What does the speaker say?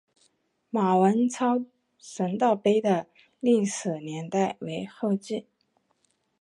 马文操神道碑的历史年代为后晋。